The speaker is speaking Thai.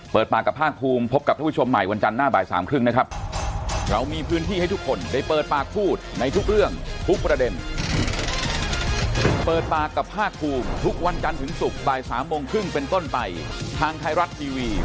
เปิดปากกับภาคภูมิพบกับท่านผู้ชมใหม่วันจันทร์หน้าบ่ายสามครึ่งนะครับ